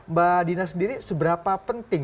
mbak dina sendiri seberapa penting